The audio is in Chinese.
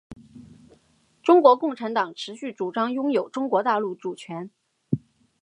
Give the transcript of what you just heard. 中国共产党持续主张拥有中国大陆主权。